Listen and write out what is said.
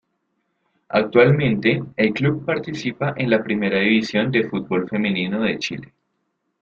Actualmente, el club participa en la Primera División de fútbol femenino de Chile.